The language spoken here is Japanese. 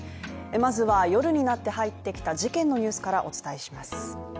まずは夜になって入ってきた事件のニュースからお伝えします。